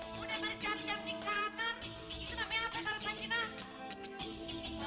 sudah berjam jam di kamar itu namanya apa kalau fatimah